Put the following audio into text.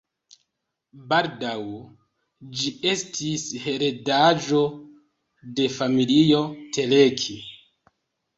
Baldaŭ ĝi estis heredaĵo de familio Teleki.